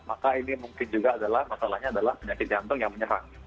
maka ini mungkin juga adalah masalahnya adalah penyakit jantung yang menyerang